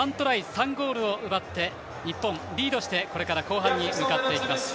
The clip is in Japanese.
３ゴールを奪って日本、リードしてこれから後半に向かっていきます。